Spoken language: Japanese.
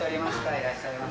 いらっしゃいませ。